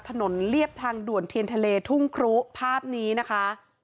เรียบทางด่วนเทียนทะเลทุ่งครุภาพนี้นะคะ